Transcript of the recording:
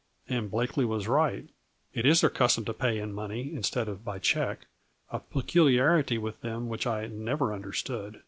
And Blakely was right. It is their custom to pay in money instead of by check, a peculiarity with them which I never understood.